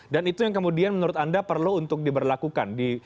dan itu yang kemudian menurut anda perlu untuk diberlakukan